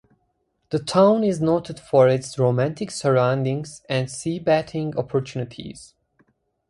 The town is noted for its romantic surroundings and sea bathing opportunities.